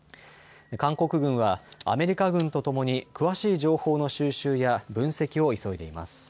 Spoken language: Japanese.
韓国軍はアメリカ軍とともに詳しい情報の収集や分析を急いでいます。